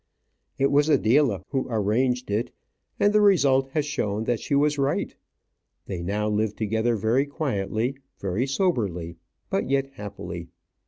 It was Adela who arranged it, and the result has shown that she was right. They now live together very quietly, very soberly, but yet happily.